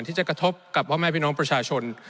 ที่จะกระทบกับพ่อแม่พี่น้องประชาชน